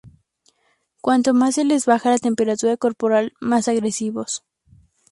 Cuanto más se les baja la temperatura corporal, más agresivos.